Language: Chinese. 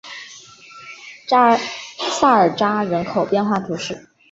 萨尔扎人口变化图示